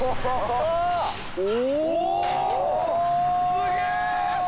すげえ！